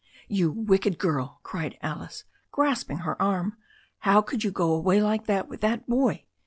"You wicked girl," cried Alice, grasping her arm. "How could you go away like that with that boy?